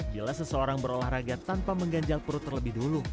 jika seseorang berolahraga tanpa mengganjal perut terlebih dahulu